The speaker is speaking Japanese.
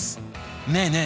ねえねえ